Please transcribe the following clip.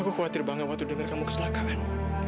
aku khawatir banget waktu dengar kamu kesalahan